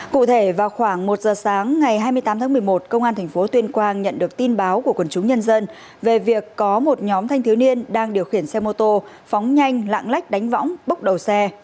cụ thể vào khoảng một giờ sáng ngày hai mươi tám tháng một mươi một công an tp tuyên quang nhận được tin báo của quần chúng nhân dân về việc có một nhóm thanh thiếu niên đang điều khiển xe mô tô phóng nhanh lạng lách đánh võng bốc đầu xe